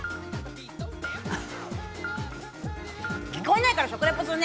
聞こえないから食レポするね。